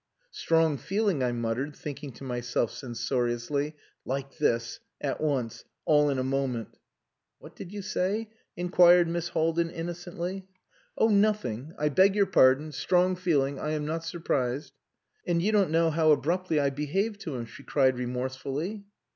Strong feeling," I muttered, thinking to myself censoriously: like this, at once, all in a moment! "What did you say?" inquired Miss Haldin innocently. "Oh, nothing. I beg your pardon. Strong feeling. I am not surprised." "And you don't know how abruptly I behaved to him!" she cried remorsefully.